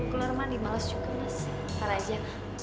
gue keluar mandi males juga mas